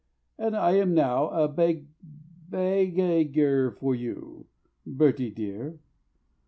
And I am now A beg—egg—eggar for you, Bertie dear!